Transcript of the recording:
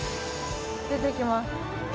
出てきます。